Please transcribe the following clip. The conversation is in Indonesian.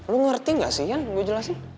lo ngerti gak sih yan gue jelasin